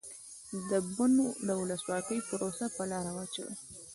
د بن د ولسواکۍ پروسه په لاره واچوي.